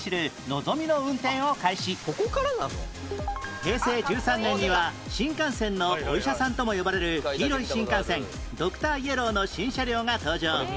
平成１３年には新幹線のお医者さんとも呼ばれる黄色い新幹線ドクターイエローの新車両が登場